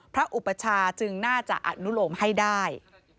อุปชาจึงน่าจะอนุโลมให้ได้